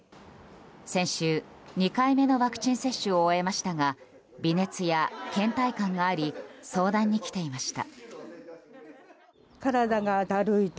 先週、２回目のワクチン接種を終えましたが微熱や倦怠感があり相談に来ていました。